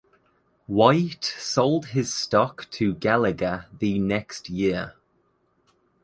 White sold his stock to Gallagher the next year.